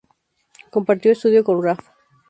Compartió estudio con Raf.